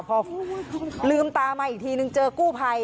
พอลืมตามาอีกทีนึงเจอกู้ภัย